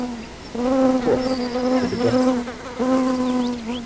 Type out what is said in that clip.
Of course, for the best.